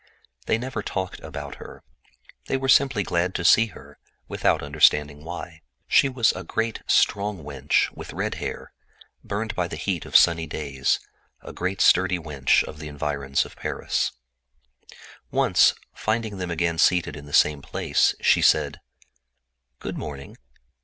They never talked about her. They were simply glad to see her, without understanding why. She was a big strong wench with red hair, burned by the heat of sunny days, a sturdy product of the environs of Paris. Once, finding them seated in the same place, she said: "Good morning.